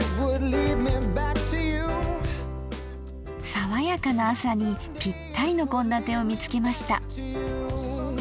さわやかな朝にぴったりの献立を見つけました。